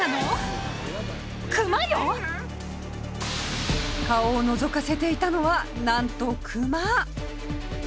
顔をのぞかせていたのはなんとクマ！